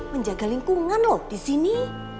menjaga lingkungan loh disini